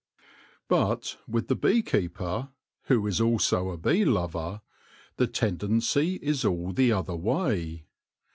But with the bee keeper who is also a bee lover, the tendency is all the other way.